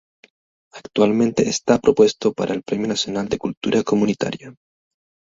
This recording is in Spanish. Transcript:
Actualmente está propuesto para el Premio Nacional de Cultura Comunitaria.